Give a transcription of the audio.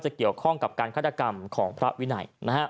เกี่ยวข้องกับการฆาตกรรมของพระวินัย